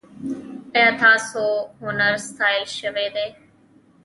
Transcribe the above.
ایا ستاسو هنر ستایل شوی دی؟